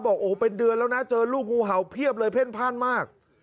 บอกโอ้โหเป็นเดือนแล้วนะเจอลูกงูเห่าเพียบเลยเพ่นพ่านมาก